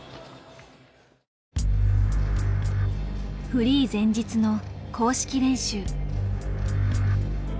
フリー前日の公式練習。